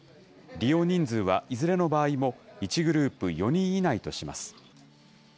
利用人数はいずれの場合も、１グループ４人以内とします。